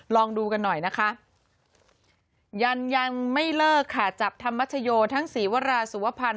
ลองดูกันหน่อยนะคะยังยังไม่เลิกค่ะจับธรรมชโยทั้งศรีวราสุวพันธ์